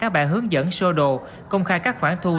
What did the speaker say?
các bạn hướng dẫn sô đồ công khai các khoản thu